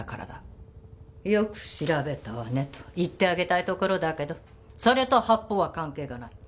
よく調べたわねと言ってあげたいところだけどそれと発砲は関係がない。